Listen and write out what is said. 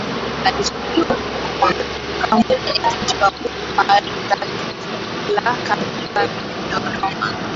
Alichaguliwa kuwa makamu mwenyekiti wa Bunge maalum la Katiba mjini Dodoma